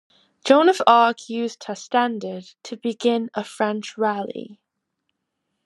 Joan of Arc used her standard to begin a French rally.